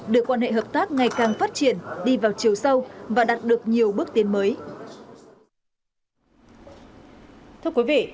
đưa quan hệ hợp tác ngày càng phát triển đi vào chiều sâu và đạt được nhiều bước tiến mới